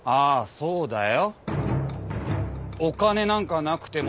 そうだよ。